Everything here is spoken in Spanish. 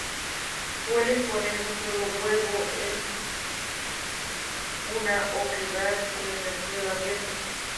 Suelen poner un solo huevo en una oquedad o en suelo abierto.